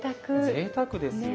ぜいたくですよ。